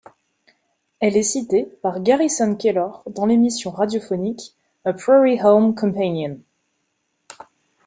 Elle est citée par Garrison Keillor dans l'émission radiophonique A Prairie Home Companion.